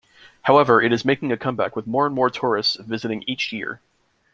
However, it is making a comeback with more and more tourists visiting each year.